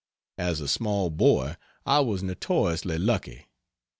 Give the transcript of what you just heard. As a small boy I was notoriously lucky.